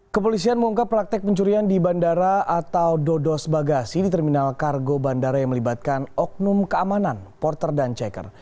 kepolisian mengungkap praktek pencurian di bandara atau dodos bagasi di terminal kargo bandara yang melibatkan oknum keamanan porter dan checker